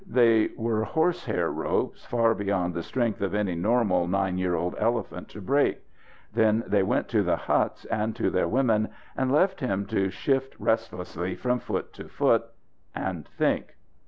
They were horsehair ropes, far beyond the strength of any normal nine year old elephant to break. Then they went to the huts and to their women and left him to shift restlessly from foot to foot, and think.